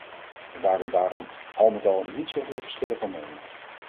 Er waren daarom al met al niet zoveel verschillen van mening.